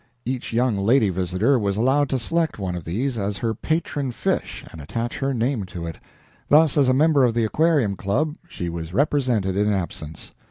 Each young lady visitor was allowed to select one of these as her patron fish and attach her name to it. Thus, as a member of the "aquarium club," she was represented in absence.